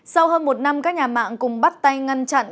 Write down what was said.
sau hơn một năm các nhà mạng cùng bắt tay ngăn chặn